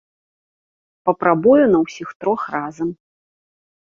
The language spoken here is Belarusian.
Папрабую на ўсіх трох разам.